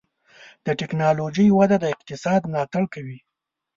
د ټکنالوجۍ وده د اقتصاد ملاتړ کوي.